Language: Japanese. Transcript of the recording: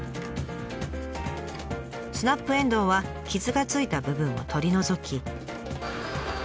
スナップエンドウは傷がついた部分を取り除き。